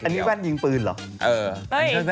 อันนี้แว่นยิงปืนเหรอ